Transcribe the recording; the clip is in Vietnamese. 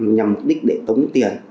nhằm mục đích để tống tiền